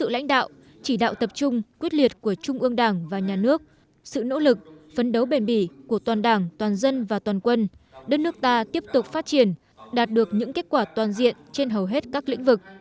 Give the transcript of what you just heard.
lãnh đạo chỉ đạo tập trung quyết liệt của trung ương đảng và nhà nước sự nỗ lực phấn đấu bền bỉ của toàn đảng toàn dân và toàn quân đất nước ta tiếp tục phát triển đạt được những kết quả toàn diện trên hầu hết các lĩnh vực